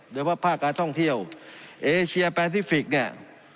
เฉพาะภาคการท่องเที่ยวเอเชียแปซิฟิกเนี่ย